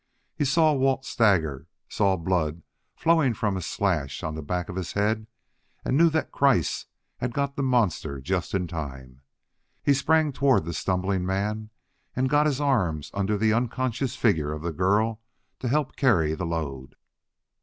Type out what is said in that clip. He saw Walt stagger; saw blood flowing from a slash on the back of his head, and knew that Kreiss had got the monster just in time. He sprang toward the stumbling man and got his arms under the unconscious figure of the girl to help carry the load.